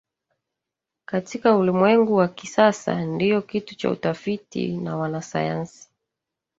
katika ulimwengu wa kisasa ndio kitu cha utafiti na wanasayansi